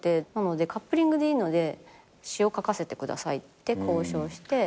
カップリングでいいので詞を書かせてくださいって交渉して。